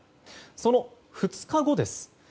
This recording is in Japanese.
その２日後です。